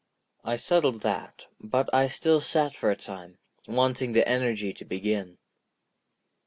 I settled that, but I still sat for a time, wanting the energy to begin.